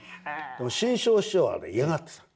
でも志ん生師匠はね嫌がってた。